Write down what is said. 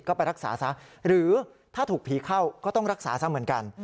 ก็ไปรักษาซะหรือถ้าถูกผีเข้าก็ต้องรักษาซะเหมือนกัน